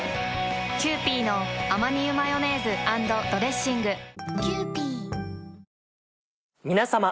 キユーピーのアマニ油マヨネーズ＆ドレッシング皆さま。